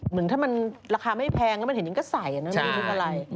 เหมือนถ้ามันราคาไม่แพงมันเห็นจริงก็ใส่ไม่รู้ว่าอะไร